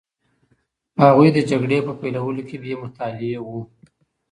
هغوی د جګړې په پیلولو کي بې مطالعې وو.